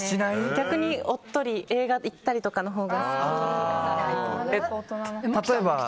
逆におっとり映画行ったりとかのほうが好き。